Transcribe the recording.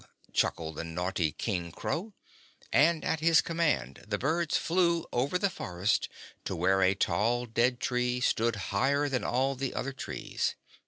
chuckled the naughty King Crow, and at his command the birds flew over the forest to where a tall dead tree stood higher than all the other trees.